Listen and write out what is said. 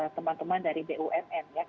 teman teman dari bumn